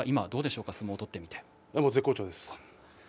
絶好調です。